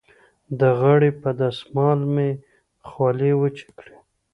د غاړې په دستمال مې خولې وچې کړې.